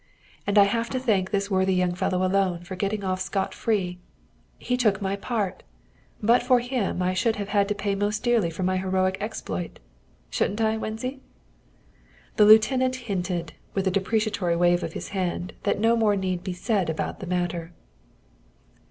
And I have to thank this worthy young fellow alone for getting off scot free. He took my part. But for him I should have had to pay most dearly for my heroic exploit. Shouldn't I, Wenzy?" The lieutenant hinted, with a deprecatory wave of his hand, that no more need be said about the matter.